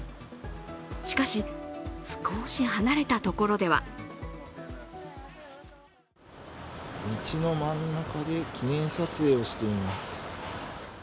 しかし、少し離れたところでは道の真ん中で記念撮影をしています。